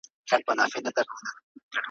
لکه څپو بې لاري کړې بېړۍ ,